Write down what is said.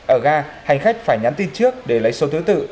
ở ga hành khách phải nhắn tin trước để lấy số thứ tự